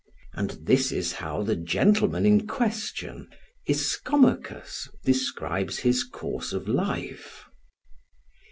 And this is how the gentleman in question, Ischomachus, describes his course of life.